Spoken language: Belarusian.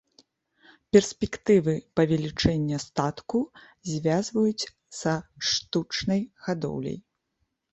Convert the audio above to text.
Перспектывы павелічэння статку звязваюць са штучнай гадоўляй.